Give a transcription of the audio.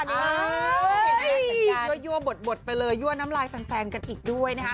เห็นยั่วบดไปเลยยั่วน้ำลายแฟนกันอีกด้วยนะฮะ